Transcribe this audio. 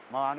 mau gak enak